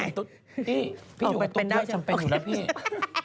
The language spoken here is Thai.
พี่พี่อยู่กับตุ๊ดได้จำเป็นอยู่แล้วพี่